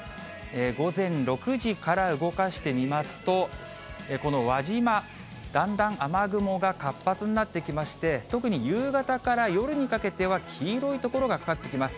午前６時から動かしてみますと、この輪島、だんだん雨雲が活発になってきまして、特に夕方から夜にかけては、黄色い所がかかってきます。